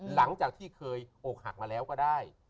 หลังจากที่เคยอกหักมาแล้วก็ได้